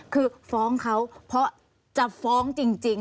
คือฟ้องเขาเพราะจะฟ้องจริง